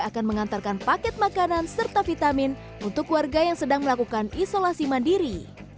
akan mengantarkan paket makanan serta vitamin untuk warga yang sedang melakukan isolasi mandiri